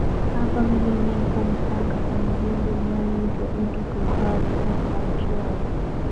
hapa mimi niko msaka kwenye jengo linaloitwa idigo house sasa njoo